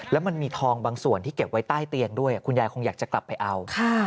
แล้วมันมีทองบางส่วนที่เก็บไว้ใต้เตียงด้วยคุณยายคงอยากจะกลับไปเอา